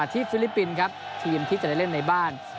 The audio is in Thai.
ฟิลิปปินส์ครับทีมที่จะได้เล่นในบ้าน